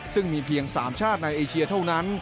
ซึ่งมีเพียง๓ชาติในเอเชียเท่านั้น